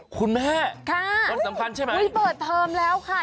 คุณแม่มันสำคัญใช่ไหมค่ะอุ้ยเปิดเทิมแล้วค่ะ